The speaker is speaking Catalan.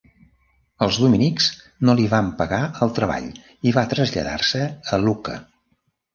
Els dominics no li van pagar el treball i va traslladar-se a Lucca.